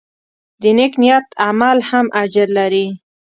د نیک نیت عمل هم اجر لري.